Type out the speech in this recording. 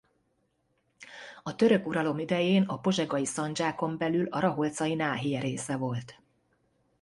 A török uralom idején a Pozsegai szandzsákon belül a Raholcai náhije része volt.